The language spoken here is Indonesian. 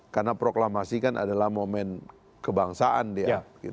karena proklamasi kan adalah momen kebangsaan dia